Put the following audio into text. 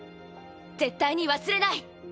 絶対に忘れない。